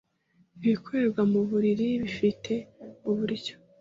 ibikorerwa mu mubiri bifite uburyo